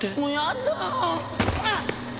あっ！？